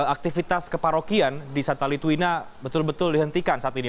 aktivitas keparokian di sata litwina betul betul dihentikan saat ini